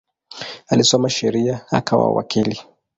Alisoma sheria akawa wakili.